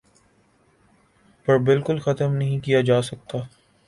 پر بالکل ختم نہیں کیا جاسکتا